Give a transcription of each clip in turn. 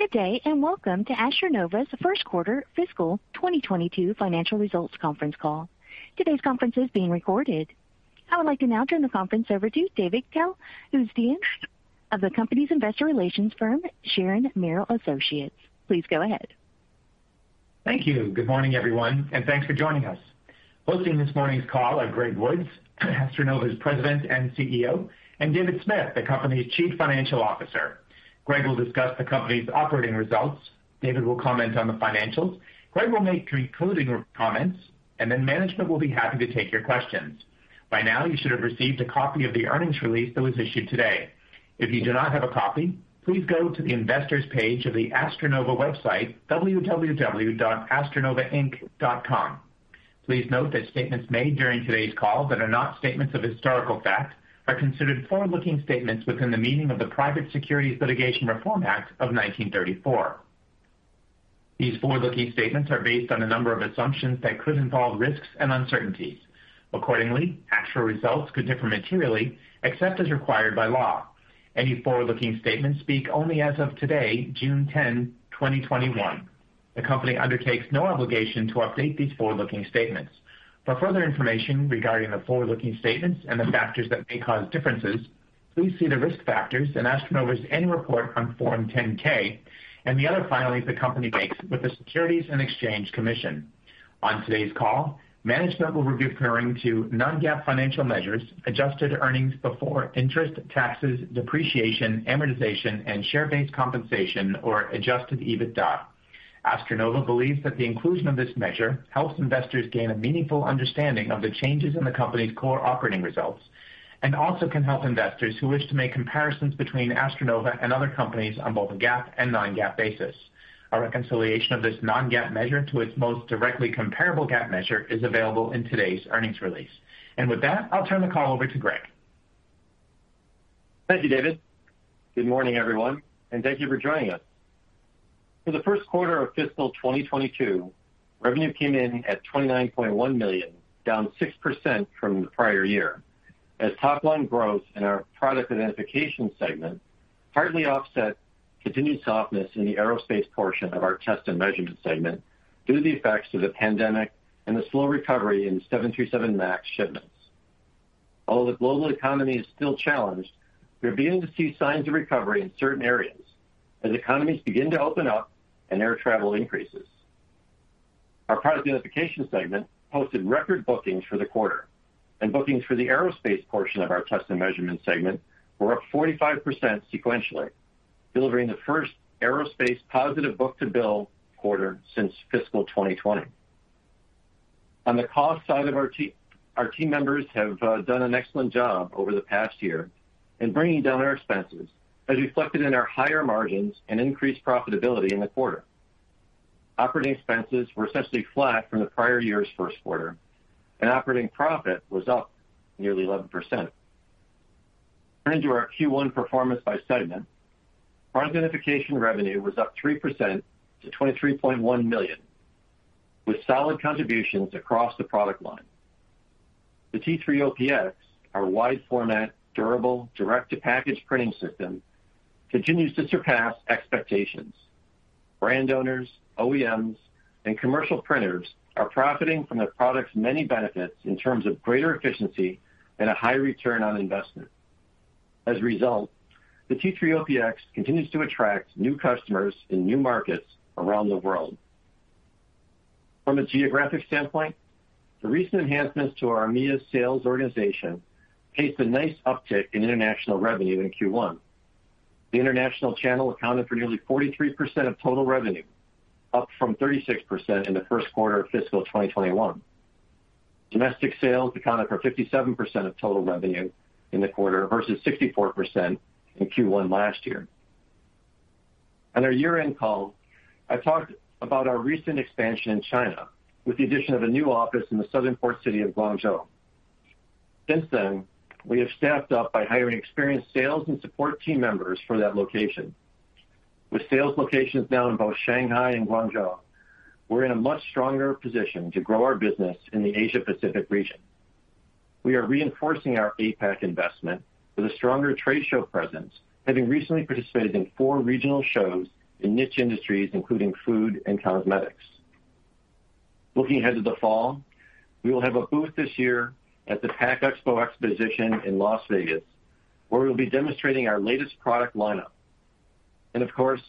Good day, and Welcome to AstroNova's First Quarter Fiscal 2022 Financial Results Conference Call. Today's conference is being recorded. I would like to now turn the conference over to David Cal, who's the of the company's investor relations firm, Sharon Merrill Associates. Please go ahead. Thank you. Good morning, everyone, and thanks for joining us. Hosting this morning's call are Greg Woods, AstroNova's President and CEO, and David Smith, the company's Chief Financial Officer. Greg will discuss the company's operating results. David will comment on the financials. Gregory A. Woods will make concluding comments, and then management will be happy to take your questions. By now, you should have received a copy of the earnings release that was issued today. If you do not have a copy, please go to the investors page of the AstroNova website, www.astronovainc.com. Please note that statements made during today's call that are not statements of historical fact are considered forward-looking statements within the meaning of the Private Securities Litigation Reform Act of 1995. These forward-looking statements are based on a number of assumptions that could involve risks and uncertainties. Accordingly, actual results could differ materially except as required by law. Any forward-looking statements speak only as of today, June 10, 2021. The company undertakes no obligation to update these forward-looking statements. For further information regarding the forward-looking statements and the factors that may cause differences, please see the risk factors in AstroNova's annual report on Form 10-K and the other filings the company makes with the Securities and Exchange Commission. On today's call, management will be referring to non-GAAP financial measures, adjusted earnings before interest, taxes, depreciation, amortization, and share-based compensation, or adjusted EBITDA. AstroNova believes that the inclusion of this measure helps investors gain a meaningful understanding of the changes in the company's core operating results, and also can help investors who wish to make comparisons between AstroNova and other companies on both a GAAP and non-GAAP basis. Our reconciliation of this non-GAAP measure to its most directly comparable GAAP measure is available in today's earnings release. With that, I'll turn the call over to Greg. Thank you, David. Good morning, everyone, and thank you for joining us. For the first quarter of fiscal 2022, revenue came in at $29.1 million, down 6% from the prior year, as top-line growth in our Product Identification segment partly offset continued softness in the aerospace portion of our Test and Measurement segment due to the effects of the pandemic and the slow recovery in 737 MAX shipments. While the global economy is still challenged, we're beginning to see signs of recovery in certain areas as economies begin to open up and air travel increases. Our Product Identification segment posted record bookings for the quarter, and bookings for the aerospace portion of our Test and Measurement segment were up 45% sequentially, delivering the first aerospace positive book-to-bill quarter since fiscal 2020. On the cost side, our team members have done an excellent job over the past year in bringing down our expenses, as reflected in our higher margins and increased profitability in the quarter. Operating expenses were essentially flat from the prior year's first quarter. Operating profit was up nearly 11%. Turning to our Q1 performance by segment, Product Identification revenue was up 3% to $23.1 million, with solid contributions across the product line. The T3-OPX, our wide-format, durable, direct-to-package printing system, continues to surpass expectations. Brand owners, OEMs, and commercial printers are profiting from the product's many benefits in terms of greater efficiency and a high return on investment. As a result, the T3-OPX continues to attract new customers in new markets around the world. From a geographic standpoint, the recent enhancements to our EMEA sales organization paced a nice uptick in international revenue in Q1. The international channel accounted for nearly 43% of total revenue, up from 36% in the first quarter of fiscal 2021. Domestic sales accounted for 57% of total revenue in the quarter versus 64% in Q1 last year. On our year-end call, I talked about our recent expansion in China with the addition of a new office in the southern port city of Guangzhou. Since then, we have staffed up by hiring experienced sales and support team members for that location. With sales locations now in both Shanghai and Guangzhou, we're in a much stronger position to grow our business in the Asia Pacific region. We are reinforcing our APAC investment with a stronger trade show presence, having recently participated in four regional shows in niche industries, including food and cosmetics. Looking ahead to the fall, we will have a booth this year at the Pack Expo exhibition in Las Vegas, where we'll be demonstrating our latest product lineup. Of course,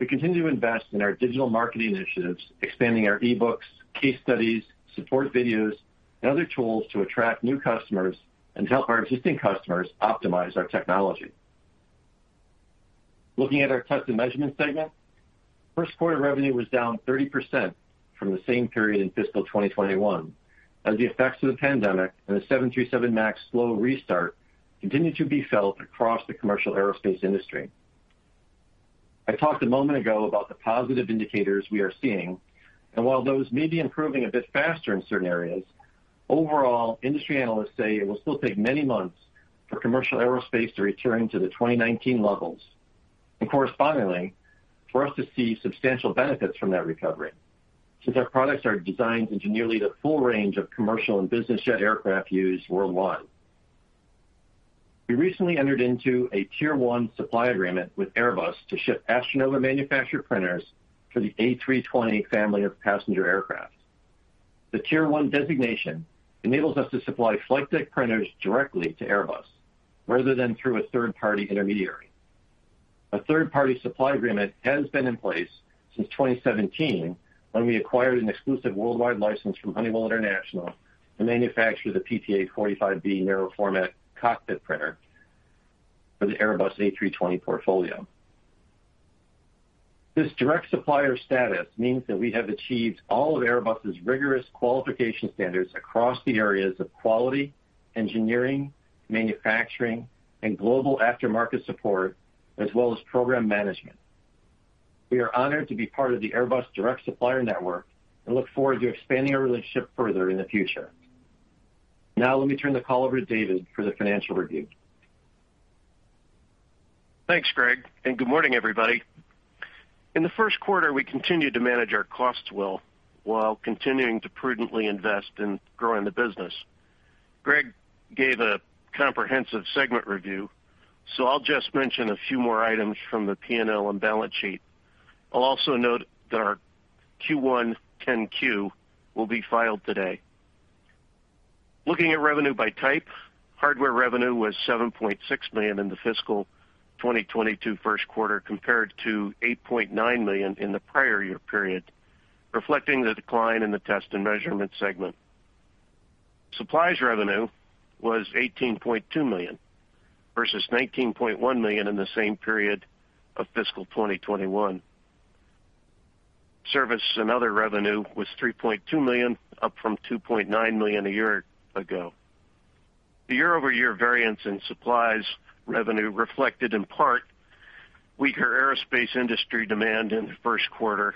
we continue to invest in our digital marketing initiatives, expanding our eBooks, case studies, support videos, and other tools to attract new customers and help our existing customers optimize our technology. Looking at our Test and Measurement segment, first quarter revenue was down 30% from the same period in fiscal 2021, as the effects of the pandemic and the 737 MAX slow restart continue to be felt across the commercial aerospace industry. I talked a moment ago about the positive indicators we are seeing, and while those may be improving a bit faster in certain areas, overall, industry analysts say it will still take many months for commercial aerospace to return to the 2019 levels, and correspondingly, for us to see substantial benefits from that recovery, since our products are designed into nearly the full range of commercial and business jet aircraft used worldwide. We recently entered into a Tier 1 supply agreement with Airbus to ship AstroNova manufactured printers for the A320 family of passenger aircraft. The Tier 1 designation enables us to supply flight deck printers directly to Airbus, rather than through a third-party intermediary. A third-party supply agreement has been in place since 2017, when we acquired an exclusive worldwide license from Honeywell International to manufacture the PTA-45B aero format cockpit printer for the Airbus A320 portfolio. This direct supplier status means that we have achieved all of Airbus's rigorous qualification standards across the areas of quality, engineering, manufacturing, and global aftermarket support, as well as program management. We are honored to be part of the Airbus direct supplier network and look forward to expanding our relationship further in the future. Now, let me turn the call over to David for the financial review. Thanks, Greg. Good morning, everybody. In the first quarter, we continued to manage our costs well while continuing to prudently invest in growing the business. Greg gave a comprehensive segment review. I'll just mention a few more items from the P&L and balance sheet. I'll also note that our Q1 10-Q will be filed today. Looking at revenue by type, hardware revenue was $7.6 million in the fiscal 2022 first quarter, compared to $8.9 million in the prior year period, reflecting the decline in the Test and Measurement segment. Supplies revenue was $18.2 million versus $19.1 million in the same period of fiscal 2021. Services and other revenue was $3.2 million, up from $2.9 million a year ago. The year-over-year variance in supplies revenue reflected in part weaker aerospace industry demand in the first quarter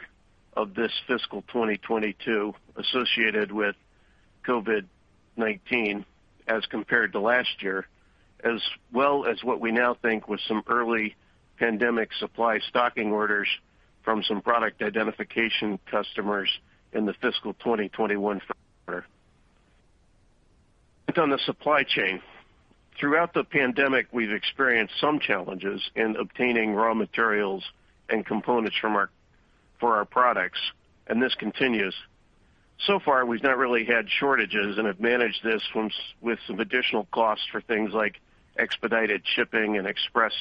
of this fiscal 2022 associated with COVID-19 as compared to last year, as well as what we now think was some early pandemic supply stocking orders from some Product Identification customers in the fiscal 2021 quarter. Click on the supply chain. Throughout the pandemic, we've experienced some challenges in obtaining raw materials and components for our products, this continues. Far, we've not really had shortages and have managed this with some additional costs for things like expedited shipping and express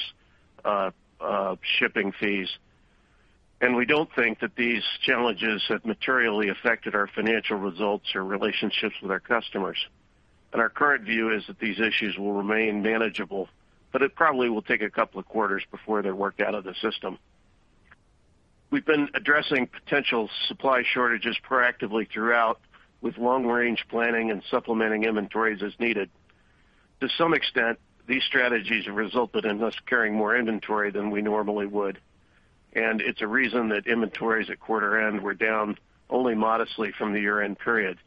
shipping fees. We don't think that these challenges have materially affected our financial results or relationships with our customers. Our current view is that these issues will remain manageable, but it probably will take a couple of quarters before they're worked out of the system. We've been addressing potential supply shortages proactively throughout, with long-range planning and supplementing inventories as needed. To some extent, these strategies have resulted in us carrying more inventory than we normally would, and it's a reason that inventories at quarter end were down only modestly from the year-end period.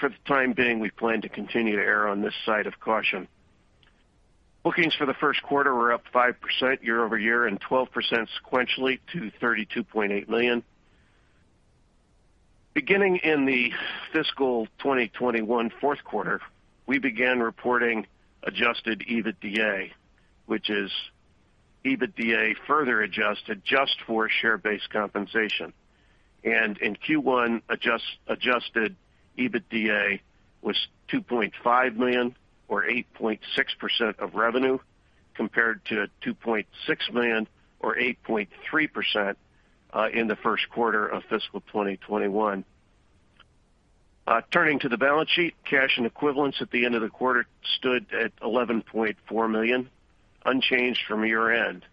For the time being, we plan to continue to err on this side of caution. Bookings for the first quarter were up 5% year-over-year and 12% sequentially to $32.8 million. Beginning in the fiscal 2021 fourth quarter, we began reporting adjusted EBITDA, which is EBITDA further adjusted just for share-based compensation. In Q1, adjusted EBITDA was $2.5 million or 8.6% of revenue, compared to $2.6 million or 8.3% in the first quarter of fiscal 2021. Turning to the balance sheet, cash and equivalents at the end of the quarter stood at $11.4 million, unchanged from year end.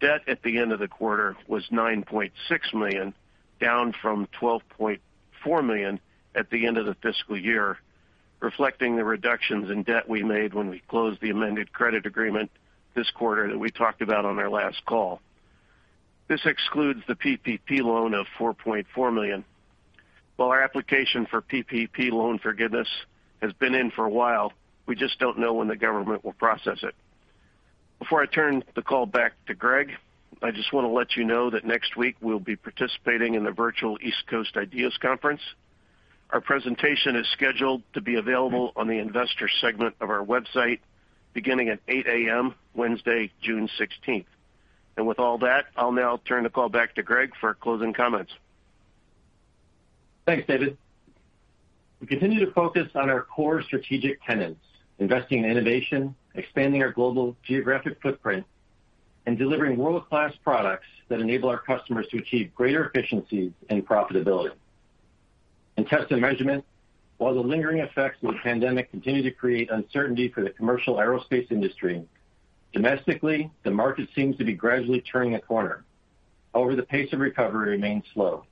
Debt at the end of the quarter was $9.6 million, down from $12.4 million at the end of the fiscal year, reflecting the reductions in debt we made when we closed the amended credit agreement this quarter that we talked about on our last call. This excludes the PPP loan of $4.4 million. While our application for PPP loan forgiveness has been in for a while, we just don't know when the government will process it. Before I turn the call back to Greg, I just want to let you know that next week we'll be participating in the virtual East Coast IDEAS Investor Conference. Our presentation is scheduled to be available on the investor segment of our website beginning at 8:00 A.M., Wednesday, June 16th. With all that, I'll now turn the call back to Greg for closing comments. Thanks, David. We continue to focus on our core strategic tenets: investing in innovation, expanding our global geographic footprint, and delivering world-class products that enable our customers to achieve greater efficiencies and profitability. In Test and Measurement, while the lingering effects of the pandemic continue to create uncertainty for the commercial aerospace industry, domestically, the market seems to be gradually turning a corner. However, the pace of recovery remains slow.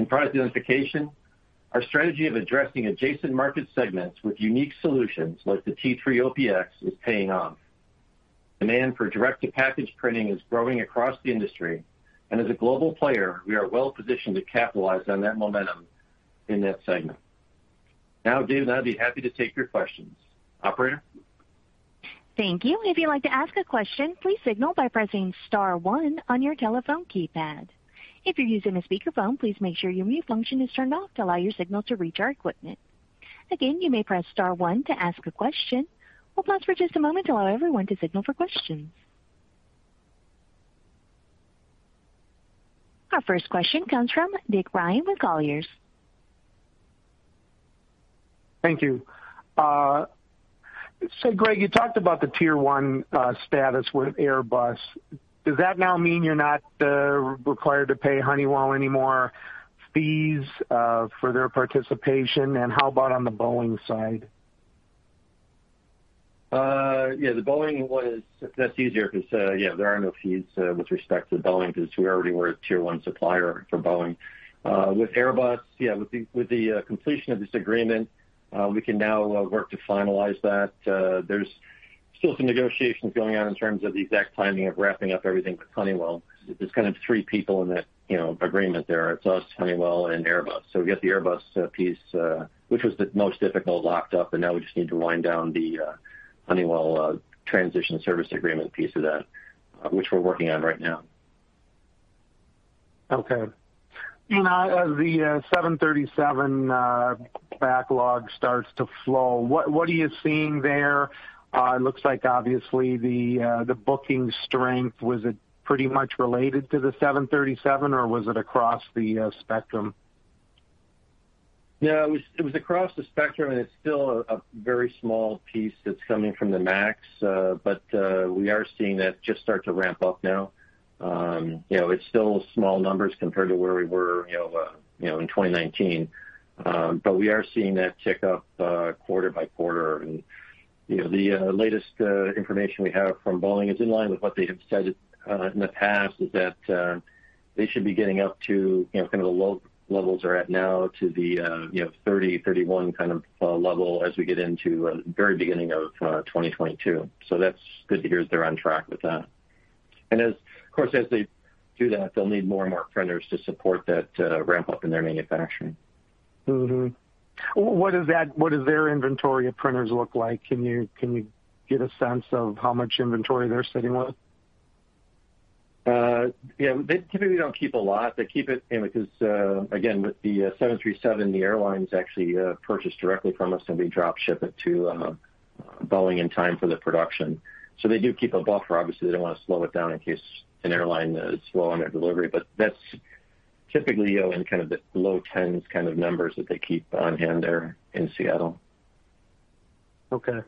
In Product Identification, our strategy of addressing adjacent market segments with unique solutions like the T3-OPX is paying off. Demand for direct-to-package printing is growing across the industry. As a global player, we are well positioned to capitalize on that momentum in that segment. Now, David [and] I'd be happy to take your questions. Operator? Thank you. If you'd like to ask a question, please signal by pressing star one on your telephone keypad. If you're using a speakerphone, please make sure your mute function is turned off to allow your signal to reach our equipment. Again, you may press star one to ask a question. We'll pause for just a moment to allow everyone to signal for questions. Our first question comes from Nick Ryan with Colliers. Thank you. Greg, you talked about the Tier 1 status with Airbus. Does that now mean you're not required to pay Honeywell anymore fees for their participation? How about on the Boeing side? Yeah, the Boeing one is much easier because there are no fees with respect to Boeing because we already were a Tier 1 supplier for Boeing. With Airbus, with the completion of this agreement, we can now work to finalize that. There's still some negotiations going on in terms of the exact timing of wrapping up everything with Honeywell. There's kind of three people in that agreement there. It's us, Honeywell, and Airbus. We get the Airbus piece, which was the most difficult, locked up, and now we just need to wind down the Honeywell transition service agreement piece of that, which we're working on right now. Okay. As the 737 backlog starts to flow, what are you seeing there? It looks like obviously the booking strength, was it pretty much related to the 737 or was it across the spectrum? Yeah, it was across the spectrum and it's still a very small piece that's coming from the MAX. We are seeing that just start to ramp up now. It's still small numbers compared to where we were in 2019. We are seeing that tick up quarter by quarter. The latest information we have from Boeing is in line with what they have said in the past is that they should be getting up to where the levels are at now to the 30, 31 kind of level as we get into the very beginning of 2022. That's good to hear they're on track with that. Of course, as they do that, they'll need more and more printers to support that ramp up in their manufacturing. What does their inventory of printers look like? Can you get a sense of how much inventory they're sitting with? They typically don't keep a lot. They keep it because, again, with the 737, the airlines actually purchase directly from us and we drop ship it to Boeing in time for the production. They do keep a buffer. Obviously, they don't want to slow it down in case an airline is slow on their delivery. That's typically in kind of the low 10s kind of numbers that they keep on hand there in Seattle. Okay.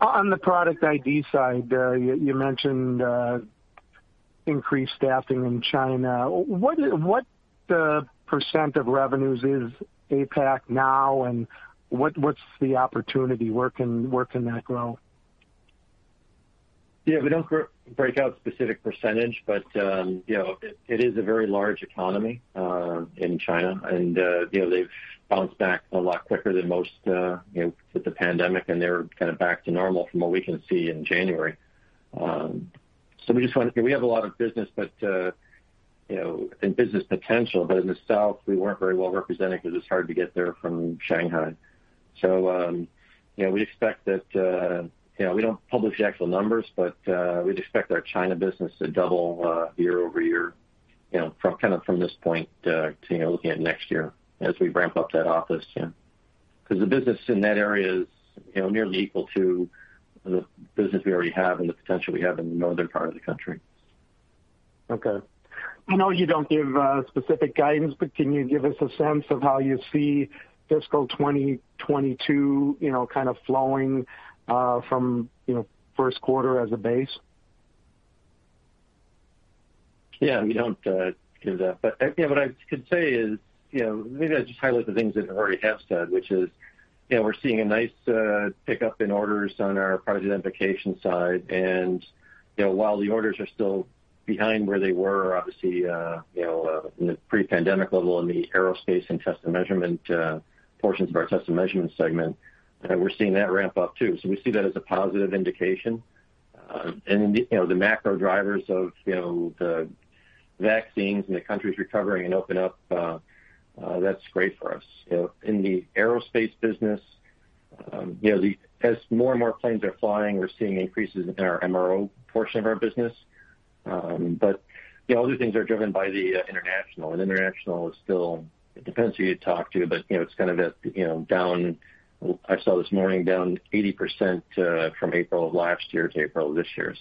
On the Product ID side there, you mentioned increased staffing in China. What percent of revenues is APAC now and what's the opportunity? Where can that grow? We don't break out specific percentage, but it is a very large economy in China. They've bounced back a lot quicker than most with the pandemic, and they were kind of back to normal from what we can see in January. We have a lot of business and business potential, but in the south, we weren't very well represented because it's hard to get there from Shanghai. We don't publish the actual numbers, but we'd expect our China business to double year-over-year, kind of from this point looking at next year as we ramp up that office because the business in that area is nearly equal to the business we already have and the potential we have in the northern part of the country. Okay. I know you don't give specific guidance, can you give us a sense of how you see fiscal 2022 kind of flowing from first quarter as a base? Yeah, we don't do that, but what I can say is, maybe I'll just highlight the things that I already have said, which is we're seeing a nice pickup in orders on our Product Identification side. While the orders are still behind where they were, obviously, in the pre-pandemic level in the aerospace and Test and Measurement portions of our Test and Measurement segment, we're seeing that ramp up, too. We see that as a positive indication. The macro drivers of the vaccines and the countries recovering and opening up, that's great for us. In the aerospace business, as more and more planes are flying, we're seeing increases in our MRO portion of our business. All these things are driven by the international is still, it depends who you talk to, it's kind of down, I saw this morning, down 80% from April of last year to April of this year.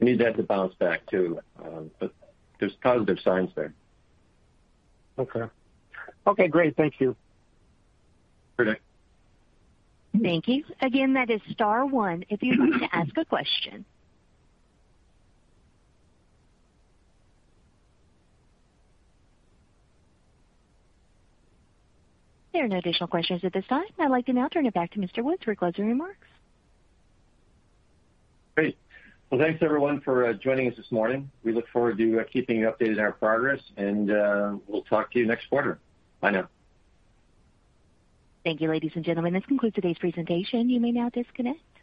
We need that to bounce back, too. There's positive signs there. Okay. Okay, great. Thank you. Okay. Thank you. Again, that is star one if you would like to ask a question. There are no additional questions at this time. I would now turn it back to Mr. Woods for closing remarks. Great. Well, thanks everyone for joining us this morning. We look forward to keeping you updated on our progress, and we'll talk to you next quarter. Bye now. Thank you, ladies and gentlemen. That concludes today's presentation. You may now disconnect.